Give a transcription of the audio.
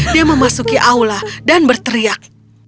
dia memasuki aula dan berteriak